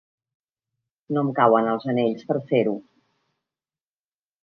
No em cauen els anells per fer-ho.